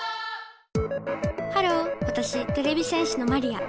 ハローわたしてれび戦士のマリア。